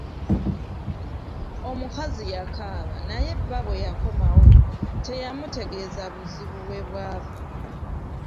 Omukazi yakaaba naye bba bwe yakomawo teyamutegeeza buzibu we bwava.